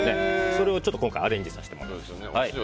それを今回アレンジさせていただきました。